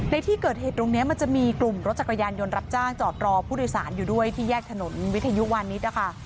ในที่เกิดเหตุตรงนี้มันจะมีกลุ่มรถจักรยานยนต์รับจ้างจอดรอผู้โดยสารอยู่ด้วยที่แยกถนนวิทยุวานิสนะคะ